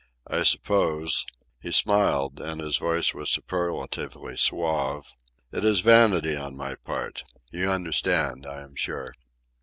I suppose" (he smiled, and his voice was superlatively suave) "it is vanity on my part—you understand, I am sure."